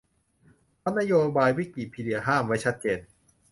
เพราะนโยบายวิกิพีเดียห้ามไว้ชัดเจน